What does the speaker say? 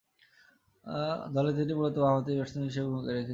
দলে তিনি মূলতঃ বামহাতি ব্যাটসম্যান হিসেবে ভূমিকা রেখেছেন।